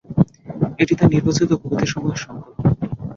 এটি তাঁর নির্বাচিত কবিতাসমূহের সংকলন।